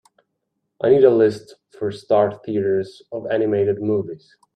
I need a list for Star Theatres of animated movies